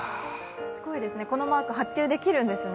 すごいですね、このマーク発注できるんですね。